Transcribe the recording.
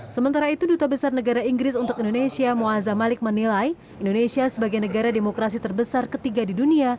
sementara itu duta besar negara inggris untuk indonesia muazza malik menilai indonesia sebagai negara demokrasi terbesar ketiga di dunia